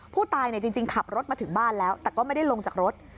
ผู้ตายจริงขับรถมาถึงบ้านแล้วแต่ก็ไม่ได้ลงจากรถ